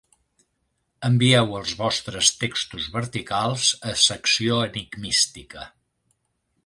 Envieu els vostres textos verticals a Secció Enigmística.